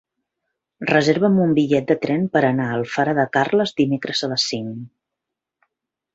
Reserva'm un bitllet de tren per anar a Alfara de Carles dimecres a les cinc.